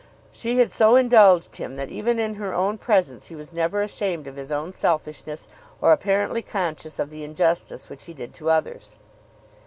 She had so indulged him that even in her own presence he was never ashamed of his own selfishness or apparently conscious of the injustice which he did to others.